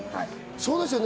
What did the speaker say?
そうですよね。